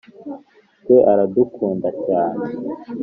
twe aradukunda cyane.